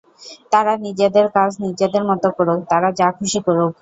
তারা নিজেদের কাজ নিজেদের মত করুক, তারা যা খুশী করুক।